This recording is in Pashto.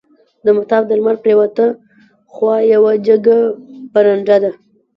د مطاف د لمر پریواته خوا یوه جګه برنډه ده.